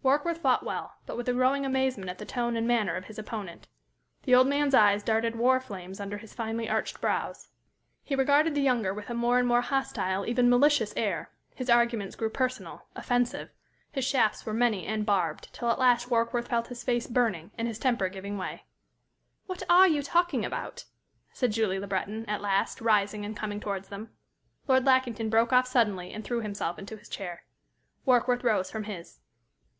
Warkworth fought well, but with a growing amazement at the tone and manner of his opponent. The old man's eyes darted war flames under his finely arched brows. He regarded the younger with a more and more hostile, even malicious air; his arguments grew personal, offensive; his shafts were many and barbed, till at last Warkworth felt his face burning and his temper giving way. "What are you talking about?" said Julie Le Breton, at last, rising and coming towards them. Lord Lackington broke off suddenly and threw himself into his chair. Warkworth rose from his.